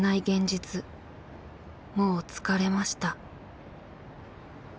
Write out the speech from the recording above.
現実もう疲れました」。